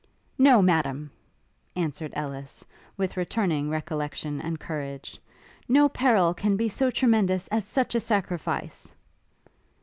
'No, Madam!' answered Ellis, with returning recollection and courage; 'no peril can be so tremendous as such a sacrifice!'